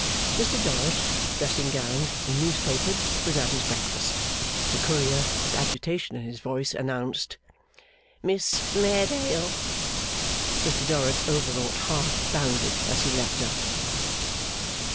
Mr Dorrit, dressing gowned and newspapered, was at his breakfast. The Courier, with agitation in his voice, announced 'Miss Mairdale!' Mr Dorrit's overwrought heart bounded as he leaped up.